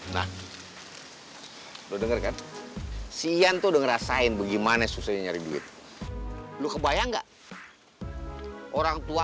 nah lu denger kan si yanto denger asain bagaimana susahnya nyari duit lu kebayang nggak orang tua